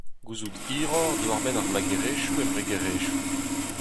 Gouzout hiroc'h diwar-benn ar magerezhioù embregerezhioù.